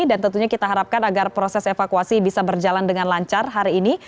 tentunya kita harapkan agar proses evakuasi bisa berjalan dengan lancar hari ini